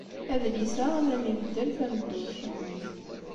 Adlis-a ad am-ibeddel tameddurt-nnem.